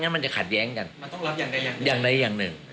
มันจะขัดแย้งกันมันต้องรับอย่างใดอย่างหนึ่ง